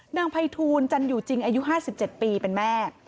นายภัยทูลจันอยู่จริงอายุ๕๗ปีเป็นแม่